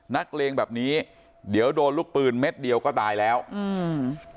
เลงแบบนี้เดี๋ยวโดนลูกปืนเม็ดเดียวก็ตายแล้วอืม